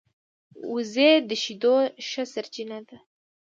وزې د شیدو ښه سرچینه ده